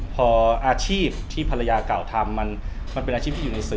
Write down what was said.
พออาชีพที่ภรรยาเก่าทำมันเป็นอาชีพที่อยู่ในสื่อ